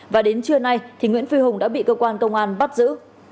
và đến trưa nay thì nguyễn phi hùng đã bị cơ quan công an bắt giữ